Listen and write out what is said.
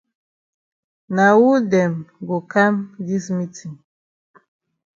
Na wu dem go kam dis meetin?